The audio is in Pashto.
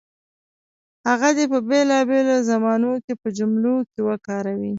هغه دې په بېلابېلو زمانو کې په جملو کې وکاروي.